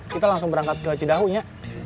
kita langsung berangkat ke cidahunya